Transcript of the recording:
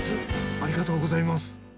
ありがとうございます。